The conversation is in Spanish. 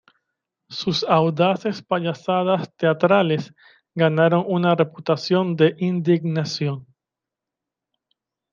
Sus audaces payasadas teatrales ganaron una reputación de "indignación".